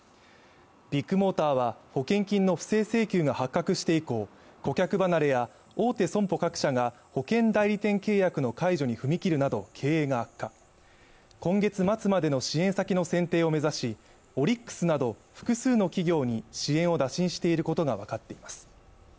ビッグモーターは保険金の不正請求が発覚して以降顧客離れや大手損保各社が保険代理店契約の解除に踏み切るなど経営が悪化今月末までの支援先の選定を目指しオリックスなど複数の企業に支援を打診していることが分かっています